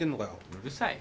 うるさい。